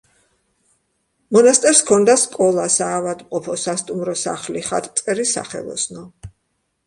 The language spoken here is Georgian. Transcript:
მონასტერს ჰქონდა სკოლა, საავადმყოფო, სასტუმრო სახლი, ხატმწერი სახელოსნო.